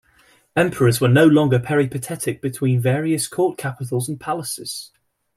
Emperors were no longer peripatetic between various court capitals and palaces.